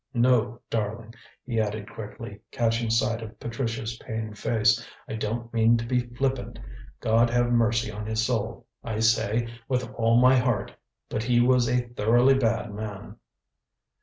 No, darling," he added quickly, catching sight of Patricia's pained face, "I don't mean to be flippant. God have mercy on his soul! I say, with all my heart. But he was a thoroughly bad man."